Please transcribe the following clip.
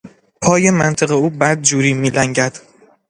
پای منطق او بد جوری میلنگد.